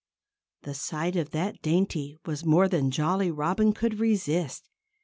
The sight of that dainty was more than Jolly Robin could resist.